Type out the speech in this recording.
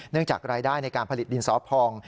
จากรายได้ในการผลิตดินสอพอง